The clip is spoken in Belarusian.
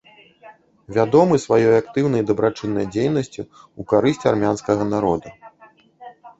Вядомы сваёй актыўнай дабрачыннай дзейнасцю ў карысць армянскага народа.